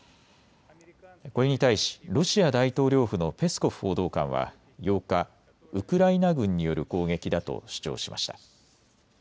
これに対しロシア大統領府のペスコフ報道官は８日、ウクライナ軍による攻撃だと主張しました。